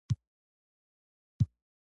دا کارزارونه د پراخې نه همکارۍ له ډول څخه دي.